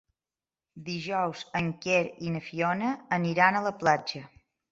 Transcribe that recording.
Dijous en Quer i na Fiona aniran a la platja.